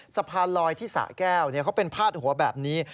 สะพานลอยที่สะแก้วเขาเป็นพาดหัวแบบนี้